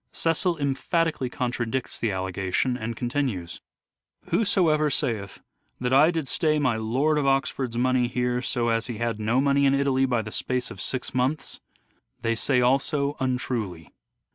Cecil emphatically contradicts the allegation, and continues :—" Whosoever saith that I did stay my Lord of Oxford's money here so as he had no money in Italy by the space of six months they say also untruly."